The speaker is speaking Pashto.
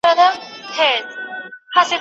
راته مه یادوه نور دي میدانونه میوندونه